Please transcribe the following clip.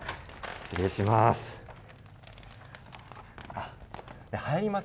失礼します。